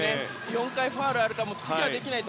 ４回ファウルがあるから次はできないと。